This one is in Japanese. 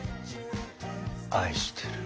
愛してる。